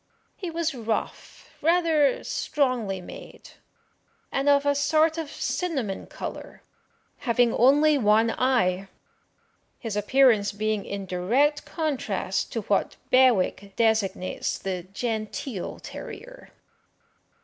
He was rough, rather strongly made, and of a sort of cinnamon colour, having only one eye; his appearance being in direct contrast to what Bewick designates the genteel terrier.